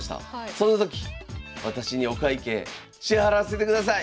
その時私にお会計支払わせてください。